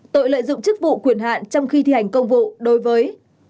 tội lợi dụng chức vụ quyền hạn trong khi thi hành công vụ đối với